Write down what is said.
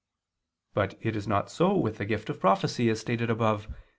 But it is not so with the gift of prophecy, as stated above (Q.